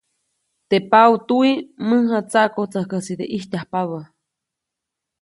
Teʼ paʼutuwi mäjatsaʼkotsäjkäsideʼe ʼijtyajpabä.